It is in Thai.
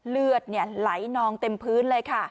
เลือดไหลนองเต็มพื้นเลยค่ะ